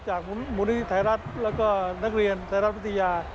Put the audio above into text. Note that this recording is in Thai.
จากมุมนิติไทยรัฐและก็นักเรียนไทยรัฐพิธียา